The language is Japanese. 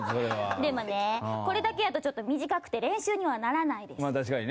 でもね、これだけやとちょっと短くて練習にはならないです。